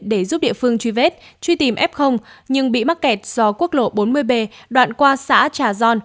để giúp địa phương truy vết truy tìm f nhưng bị mắc kẹt do quốc lộ bốn mươi b đoạn qua xã trà giòn